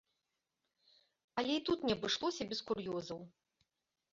Але і тут не абышлося без кур'ёзаў.